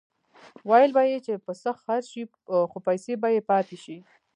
ویل به یې چې پسه خرڅ شي خو پیسې به یې پاتې شي.